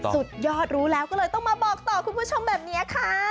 สุดยอดรู้แล้วก็เลยต้องมาบอกต่อคุณผู้ชมแบบนี้ค่ะ